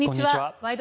「ワイド！